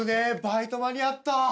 バイト間に合った。